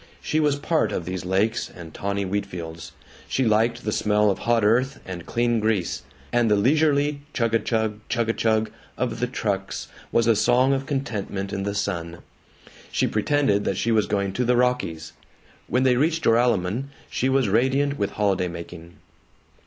She was part of these lakes and tawny wheat fields. She liked the smell of hot earth and clean grease; and the leisurely chug a chug, chug a chug of the trucks was a song of contentment in the sun. She pretended that she was going to the Rockies. When they reached Joralemon she was radiant with holiday making.